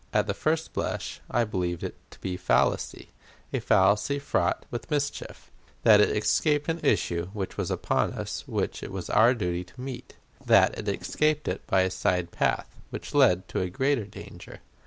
At the first blush I believed it to be a fallacy a fallacy fraught with mischief; that it escaped an issue which was upon us which it was our duty to meet; that it escaped it by a side path, which led to a greater danger.